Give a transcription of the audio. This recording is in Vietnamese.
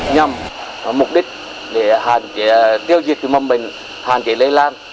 nhằm mục đích tiêu diệt mầm bệnh hạn chế lây lan